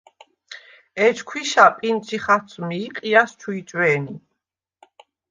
ეჯ ქვიშა პინტჟი ხაცვმი ი ყიჲას ჩუ იჭვე̄ნი.